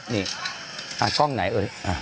นี่นะฮะนี่อ่ะกล้องไหนเอ๋ย